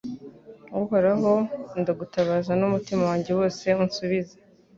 Uhoraho ndagutabaza n’umutima wanjye wose unsubize